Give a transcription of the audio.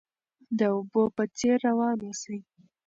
د اوبو په څیر روان اوسئ.